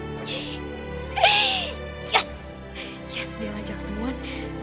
yes dia ngajak temuan